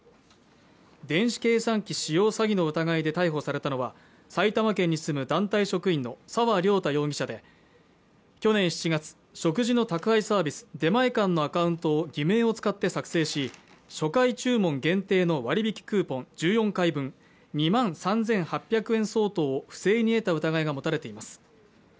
電子計算機使用詐欺の疑いで逮捕されたのは埼玉県に住む団体職員の沢涼太容疑者で去年７月食事の宅配サービス出前館のアカウントを偽名を使って作成し初回注文限定の割引クーポン１４回分２万３８００円相当を不正に得た疑いが持たれています